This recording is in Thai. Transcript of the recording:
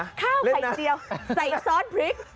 ข้าวไข่เจียวใส่ซอสพริก